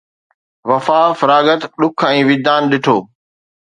وفا، فراغت، ڏک ۽ وجدان ڏٺو